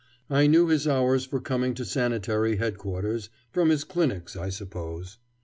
I knew his hours for coming to Sanitary Headquarters from his clinics, I suppose.